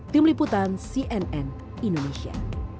tim liputan cnn indonesia